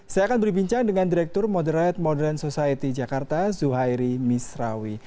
saya akan berbincang dengan direktur moderate modern society jakarta zuhairi misrawi